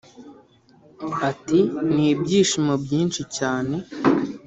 Ati “Ni ibyishimo byinshi cyane